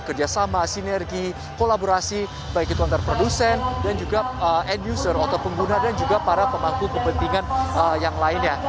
kerjasama sinergi kolaborasi baik itu antar produsen dan juga end user atau pengguna dan juga para pemangku kepentingan yang lainnya